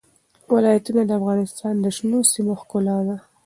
ولایتونه د افغانستان د شنو سیمو ښکلا ده.